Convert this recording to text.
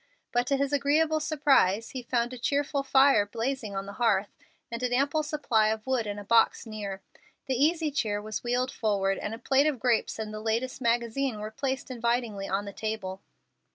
But to his agreeable surprise he found a cheerful fire blazing on the hearth, and an ample supply of wood in a box near. The easy chair was wheeled forward, and a plate of grapes and the latest magazine were placed invitingly on the table.